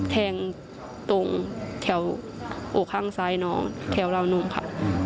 แทงตรงแถวอกข้างซ้ายน้องแถวราวนมค่ะ